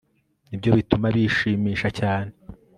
nibyo bituma bishimisha cyane